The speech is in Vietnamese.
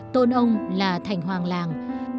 tôn ông là thành hoàng làng